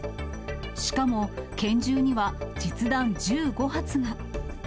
しかも、拳銃には実弾１５発が。